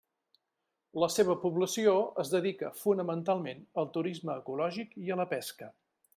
La seva població es dedica fonamentalment al turisme ecològic i a la pesca.